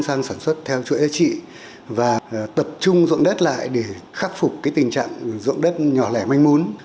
sang sản xuất theo chuỗi giá trị và tập trung dụng đất lại để khắc phục cái tình trạng dụng đất nhỏ lẻ manh mún